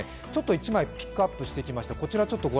１枚、ピックアップしてきました。